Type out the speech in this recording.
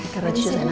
karena cici nangis ya